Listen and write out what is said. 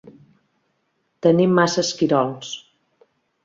Tenim massa esquirols.